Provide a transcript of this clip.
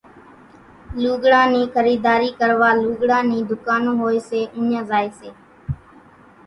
لوڳڙان نِي خريڌاري ڪروا لوڳڙان نِي ڌُڪانون ھوئي سي اُوڃان زائي سي